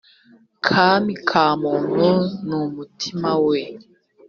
kami kamuntu numutimawe.